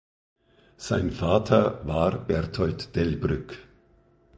Sein Vater war Berthold Delbrück.